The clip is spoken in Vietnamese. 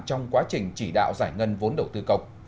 trong quá trình chỉ đạo giải ngân vốn đầu tư cộng